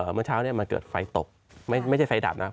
เมื่อเช้ามันเกิดไฟตกไม่ใช่ไฟดับนะ